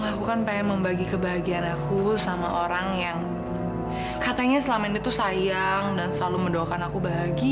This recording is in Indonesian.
aku kan pengen membagi kebahagiaan aku sama orang yang katanya selama ini tuh sayang dan selalu mendoakan aku bahagia